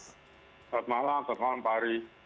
selamat malam selamat malam pak ari